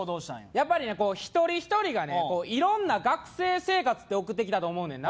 やっぱりね一人一人がね色んな学生生活って送ってきたと思うねんな